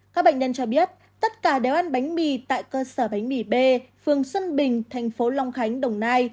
các bệnh nhân cho biết tất cả đều ăn bánh mì tại cơ sở bánh mì b phường xuân bình thành phố long khánh đồng nai